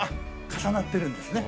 重なってるんですね。